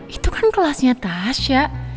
itu kan kelasnya tasya